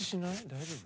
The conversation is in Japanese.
大丈夫？